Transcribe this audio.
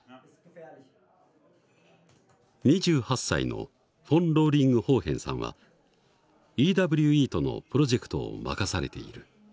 ２８歳のフォン・ローリングホーフェンさんはＥＷＥとのプロジェクトを任されている。